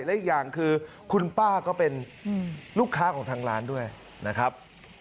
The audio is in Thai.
และอีกอย่างคือคุณป้าก็เป็นลูกค้าของทางร้านด้วยนะครับ